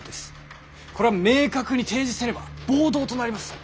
これを明確に提示せねば暴動となりますぞ。